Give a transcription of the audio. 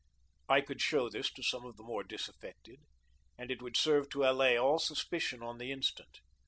I could show this to some of the more disaffected, and it would serve to allay all suspicion on the instant.